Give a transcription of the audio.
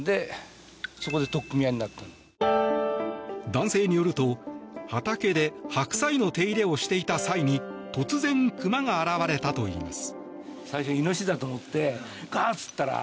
男性によると、畑で白菜の手入れをしていた際に突然、クマが現れたといいます。